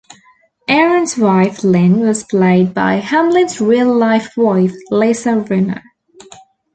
Aaron's wife, Lynn, was played by Hamlin's real-life wife, Lisa Rinna.